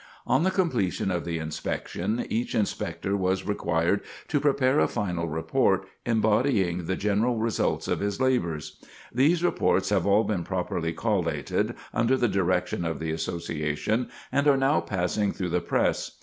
On the completion of the inspection each Inspector was required to prepare a final report embodying the general results of his labors. These reports have all been properly collated, under the direction of the Association, and are now passing through the press.